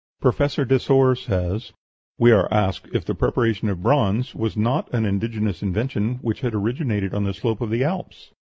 Professor Desor says: "We are asked if the preparation of bronze was not an indigenous invention which had originated on the slopes of the Alps?...